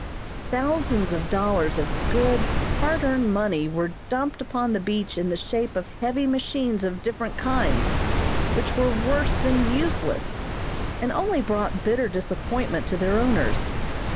Thousands of dollars of good, hard earned money were dumped upon the beach in the shape of heavy machines of different kinds, which were worse than useless, and only brought bitter disappointment to their owners.